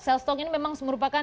selstok ini memang merupakan